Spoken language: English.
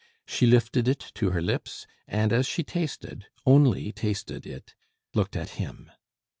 She lifted it to her lips, and as she tasted only tasted it looked at him.